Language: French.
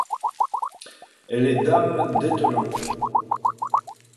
Elle est dame d'Etelan.